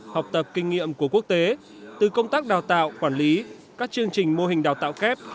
học tập kinh nghiệm của quốc tế từ công tác đào tạo quản lý các chương trình mô hình đào tạo kép